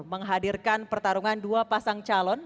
menghadirkan pertarungan dua pasang calon